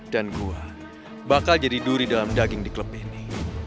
dan gue bakal jadi duri dalam daging di klub ini